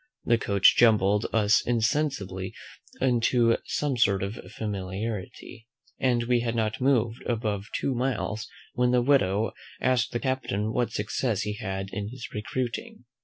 The coach jumbled us insensibly into some sort of familiarity; and we had not moved above two miles, when the widow asked the captain what success he had in his recruiting?